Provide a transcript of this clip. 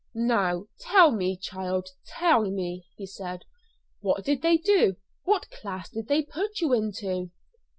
"Now, tell me, child, tell me," he said. "What did they do? What class did they put you into?"